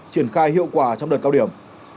triển khai hiệu quả trong đợt cao điểm